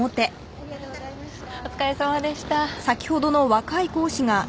お疲れさまでした。